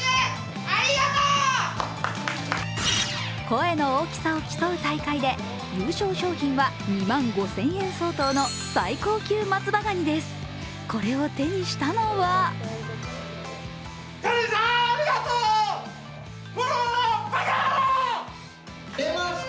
声の大きさを競う大会で優勝賞品は２万５０００円相当の最高級松葉ガニです。